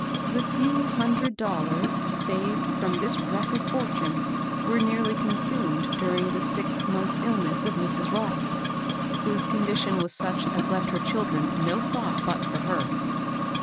The few hundred dollars saved from this wreck of fortune were nearly consumed during the six months' illness of Mrs. Ross, whose condition was such as left her children no thought but for her.